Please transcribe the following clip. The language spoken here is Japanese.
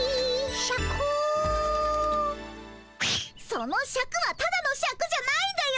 そのシャクはただのシャクじゃないんだよ。